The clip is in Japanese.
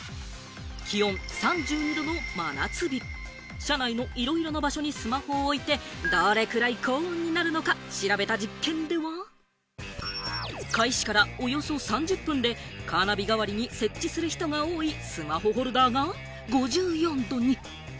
気温３２度の真夏日、車内のいろいろな場所にスマホを置いて、どれくらい高温になるのか調べた実験では、開始からおよそ３０分でカーナビ代わりに設置する人が多いスマホホルダーが５４度に。